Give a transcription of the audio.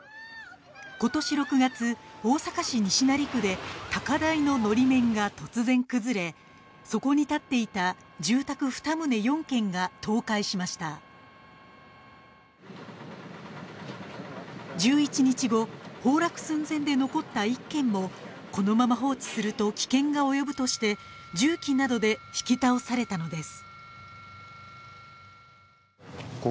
今年６月大阪市西成区で高台ののり面が突然崩れそこに立っていた住宅二棟４軒が倒壊しました１１日後崩落寸前で残った１軒もこのまま放置すると危険が及ぶとして重機などで引き倒されたのです